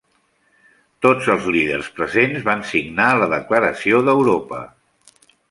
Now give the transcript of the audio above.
Tots els líders presents van signar la Declaració d'Europa.